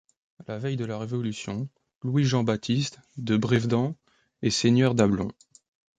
À la veille de la Révolution, Louis-Jean-Baptiste de Brévedent est seigneur d'Ablon.